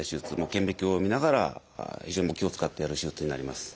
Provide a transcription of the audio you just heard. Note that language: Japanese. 顕微鏡を見ながら非常に気を遣ってやる手術になります。